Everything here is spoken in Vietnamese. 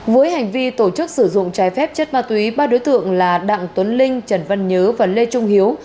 với hành vi tổ chức sử dụng trái phép chất ma túy ba đối tượng là đặng tuấn linh trần văn nhớ và lê trung hiếu